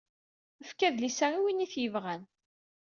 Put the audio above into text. Efk adlis-a i win ay t-yebɣan.